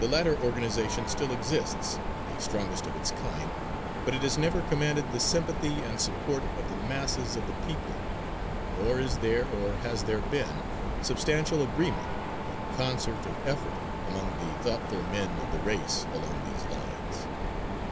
The latter organization still exists, the strongest of its kind, but it has never commanded the sympathy and support of the masses of the people, nor is there, or has there been, substantial agreement and concert of effort among the thoughtful men of the race along these lines.